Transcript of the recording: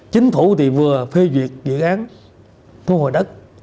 chính phủ thì vừa phê duyệt dự án thu hồi đất